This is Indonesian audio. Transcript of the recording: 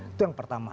itu yang pertama